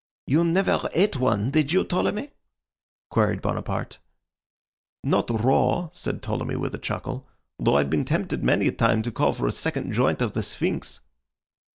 "You never ate one, did you, Ptolemy?" queried Bonaparte. "Not raw," said Ptolemy, with a chuckle. "Though I've been tempted many a time to call for a second joint of the Sphinx."